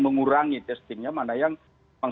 mengurangi testingnya mana yang